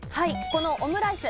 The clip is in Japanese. このオムライス